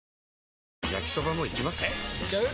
えいっちゃう？